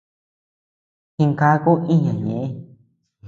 Jinangaku íñ ñeʼe.